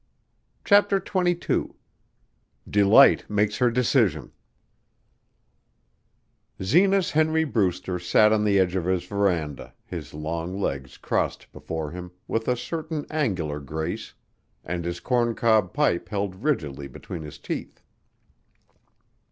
CHAPTER XXII DELIGHT MAKES HER DECISION Zenas Henry Brewster sat on the edge of his veranda, his long legs crossed before him with a certain angular grace and his corncob pipe held rigidly between his teeth.